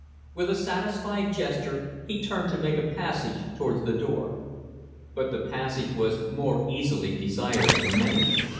With a satisfied gesture he turned to make a passage towards the door. But the passage was more easily desired than made.